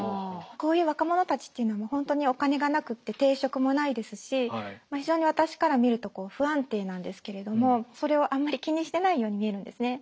こういう若者たちっていうのは本当にお金がなくて定職もないですし非常に私から見るとこう不安定なんですけれどもそれをあんまり気にしてないように見えるんですね。